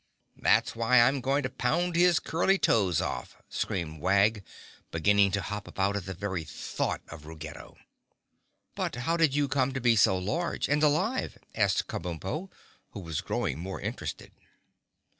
"That's why I'm going to pound his curly toes off!" screamed Wag, beginning to hop about at the very thought of Ruggedo. "But how did you come to be so large and alive?" asked Kabumpo, who was growing more interested.